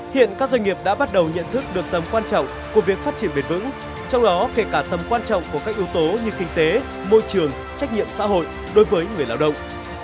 hiện các doanh nghiệp đã bắt đầu nhận thức được tầm quan trọng của việc phát triển bền vững trong đó kể cả tầm quan trọng của các yếu tố như kinh tế môi trường trách nhiệm xã hội đối với người lao động